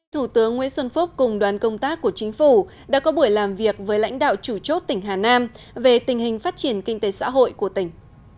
thủ tướng nguyễn xuân phúc cùng đoàn công tác của chính phủ đã có buổi làm việc với lãnh đạo chủ chốt tỉnh hà nam về tình hình phát triển kinh tế xã hội của tỉnh